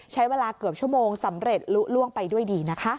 ใช้เวลาเกือบชั่วโมงสำเร็จลุล่วงไปด้วยดีนะคะ